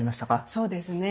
そうですね。